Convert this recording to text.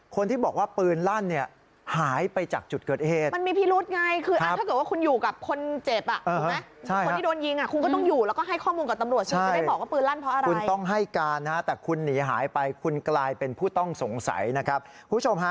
คนที่บอกว่าปืนลั่นหายไปจากจุดเกิดเหตุ